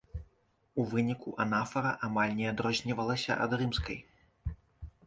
У выніку анафара амаль не адрознівалася ад рымскай.